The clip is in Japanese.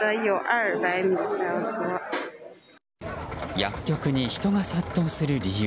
薬局に人が殺到する理由。